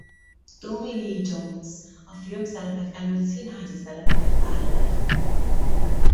Tommy Lee Jones a filmszerepek előtt színházi szerepeket vállalt.